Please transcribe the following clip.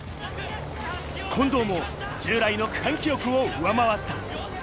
近藤も従来の区間記録を上回った。